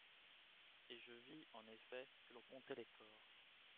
Et je vis, en effet, que l'on comptait les corps.